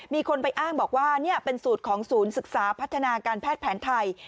มีคนไปอ้างบอกว่านี่เป็นสูตรของศูนย์ศึกษาพัฒนาการแพทย์แผนไทย